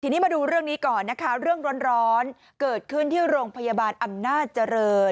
ทีนี้มาดูเรื่องนี้ก่อนนะคะเรื่องร้อนเกิดขึ้นที่โรงพยาบาลอำนาจเจริญ